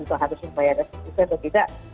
itu harus membayar restitusi atau tidak